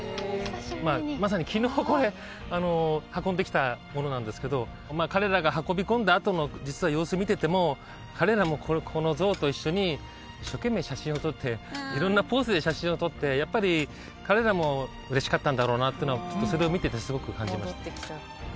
まさに昨日これ運んできたものなんですけど彼らが運び込んだあとの実は様子見てても彼らもこの像と一緒に一生懸命写真を撮って色んなポーズで写真を撮ってやっぱり彼らも嬉しかったんだろうなっていうのはそれを見ててすごく感じました